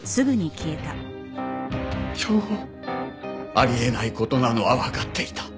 あり得ない事なのはわかっていた。